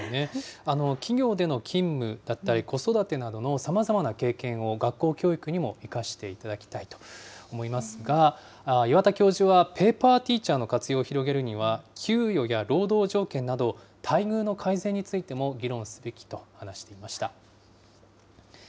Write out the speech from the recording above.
企業での勤務だったり、子育てなどのさまざまな経験を学校教育にも生かしていただきたいと思いますが、岩田教授はペーパーティーチャーの活用を広げるには、給与や労働条件など、待遇の改善についても、議論すべきと話していました。